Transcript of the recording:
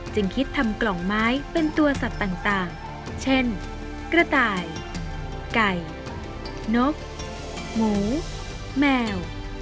จึงคิดทำกล่องไม้เป็นตัวสัตว์ต่างเช่นกระต่ายไก่นกหมูแมว